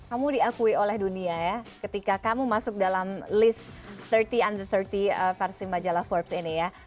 kamu diakui oleh dunia ya ketika kamu masuk dalam list tiga puluh under tiga puluh versi majalah forbes ini ya